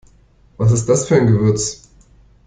Was ist das für ein Gewürz?